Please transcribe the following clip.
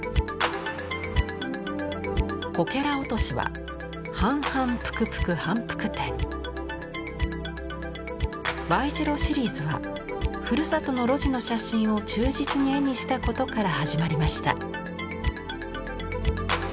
こけら落としは「Ｙ字路」シリーズはふるさとの路地の写真を忠実に絵にしたことから始まりました。